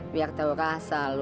biar tau rasa lu